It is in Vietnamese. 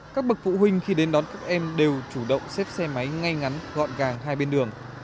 các bậc phụ huynh khi đến đón các em đều chủ động xếp xe máy ngay ngắn gọn gàng hai bên đường